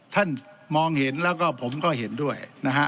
ท่านมองเห็นแล้วก็ผมก็เห็นด้วยนะฮะ